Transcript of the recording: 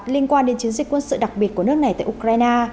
liên quan đến chiến dịch quân sự đặc biệt của nước này tại ukraine